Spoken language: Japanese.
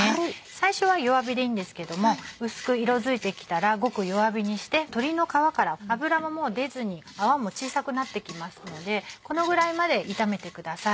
最初は弱火でいいんですけども薄く色づいてきたらごく弱火にして鶏の皮から脂ももう出ずに泡も小さくなってきますのでこのぐらいまで炒めてください。